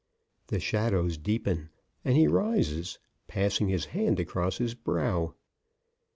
The shadows deepen, and he rises, passing his hand across his brow.